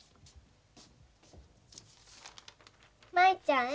「舞ちゃんへ。